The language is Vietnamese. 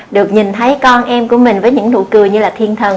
được nhìn thấy con em của mình với những nụ cười như là thiên thần